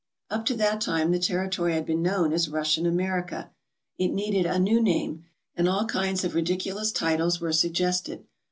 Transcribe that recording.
Up to that time the territory had been known as Russian America. It needed a new name, and all kinds of ridiculous titles were suggested.